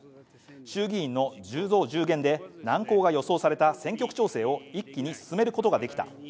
衆議院の１０増１０減で、難航が予想された選挙区調整を一気に進めることができた。